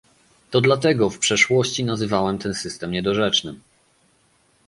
To dlatego w przeszłości nazywałem ten system niedorzecznym